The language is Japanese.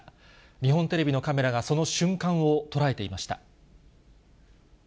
日本テレビのカメラがその瞬間を捉えていました。